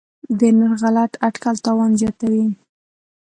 د نرخ غلط اټکل تاوان زیاتوي.